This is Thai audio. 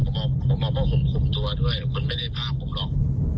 ผมไม่ว่าผมขุมตัวด้วยคนไม่ได้พาผมหรอก